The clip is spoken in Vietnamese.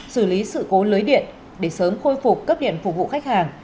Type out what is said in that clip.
xử lý sự cố lưới điện để sớm khôi phục cấp điện phục vụ khách hàng